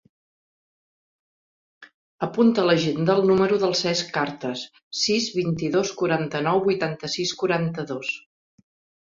Apunta a l'agenda el número del Cesc Artes: sis, vint-i-dos, quaranta-nou, vuitanta-sis, quaranta-dos.